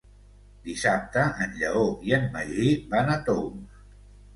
Dissabte en Lleó i en Magí van a Tous.